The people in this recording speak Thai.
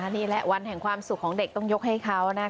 นี่แหละวันแห่งความสุขของเด็กต้องยกให้เขานะคะ